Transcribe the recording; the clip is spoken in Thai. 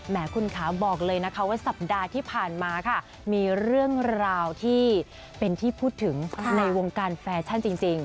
คุณขาบอกเลยนะคะว่าสัปดาห์ที่ผ่านมาค่ะมีเรื่องราวที่เป็นที่พูดถึงในวงการแฟชั่นจริง